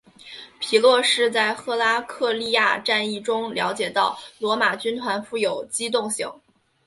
皮洛士在赫拉克利亚战役中了解到罗马军团富有机动性。